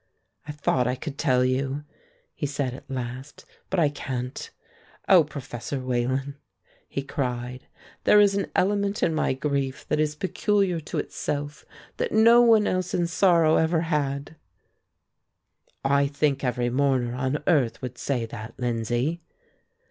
"I thought I could tell you," he said at last, "but I can't. Oh, Professor Wayland," he cried, "there is an element in my grief that is peculiar to itself, that no one else in sorrow ever had!" "I think every mourner on earth would say that, Lindsay."